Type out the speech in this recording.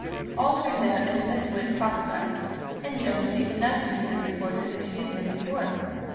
All turned out as Miss Witt prophesied, and Joan was even nicer to the reporter than she had been before.